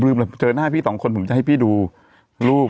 ผมลืมเหรอเจอน่าพี่๒คนผมจะให้พี่ดูรูป